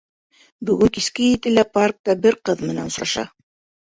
Бөгөн киске етелә паркта бер ҡыҙ менән осраша.